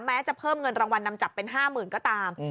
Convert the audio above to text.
แม้จะเพิ่มเงินรางวัลนำจับเป็นห้ามึงก็ตาม